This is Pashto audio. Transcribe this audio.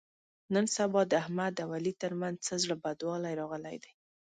نن سبا د احمد او علي تر منځ څه زړه بدوالی راغلی دی.